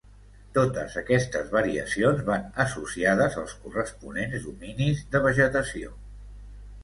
Totes aquestes variacions van associades als corresponents dominis de vegetació.